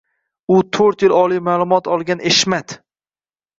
U to‘rt yil oliy ma’lumot olgan Eshmat